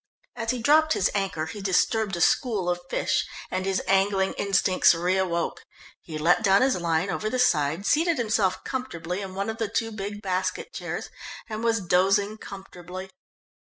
As he dropped his anchor he disturbed a school of fish, and his angling instincts re awoke. He let down his line over the side, seated himself comfortable in one of the two big basket chairs, and was dozing comfortably....